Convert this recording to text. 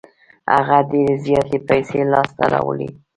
هغه ډېرې زياتې پیسې لاس ته راوړې.